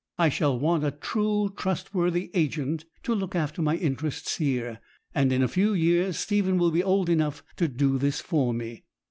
I shall want a true, trustworthy agent to look after my interests here, and in a few years Stephen will be old enough to do this for me.